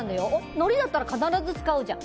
のりだったら必ず使うじゃん。